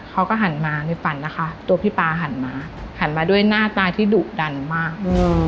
เขาก็หันมาในฝันนะคะตัวพี่ป๊าหันมาหันมาด้วยหน้าตาที่ดุดันมาก